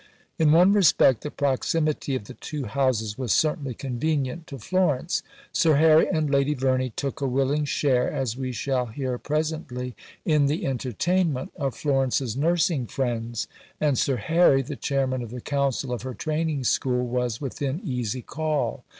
In one respect, the proximity of the two houses was certainly convenient to Florence. Sir Harry and Lady Verney took a willing share, as we shall hear presently, in the entertainment of Florence's nursing friends; and Sir Harry, the chairman of the Council of her Training School, was within easy call.